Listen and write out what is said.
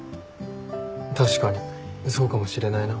確かにそうかもしれないな。